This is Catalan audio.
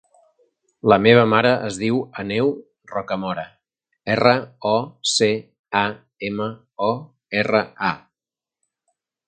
La meva mare es diu Aneu Rocamora: erra, o, ce, a, ema, o, erra, a.